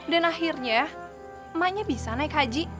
dan akhirnya emaknya bisa naik haji